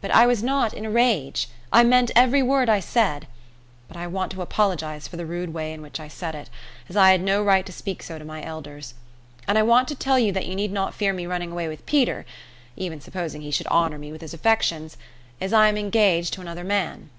"But I was not in a rage. I meant every word I said, but I want to apologize for the rude way in which I said it, as I had no right to speak so to my elders. And I want to tell you that you need not fear me running away with Peter, even supposing he should honour me with his affections, as I am engaged to another man."